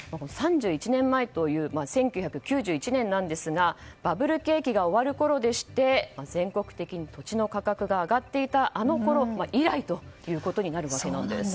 ３１年前という１９９１年なんですがバブル景気が終わるころでして全国的に土地の価格が上がっていたあの頃以来となると。